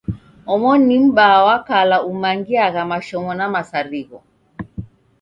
Omoni ni M'baa wa kala umangiagha mashomo na misarigho.